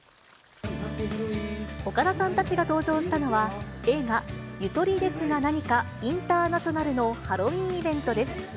岡田さんたちが登場したのは、映画、ゆとりですがなにかインターナショナルのハロウィーンイベントです。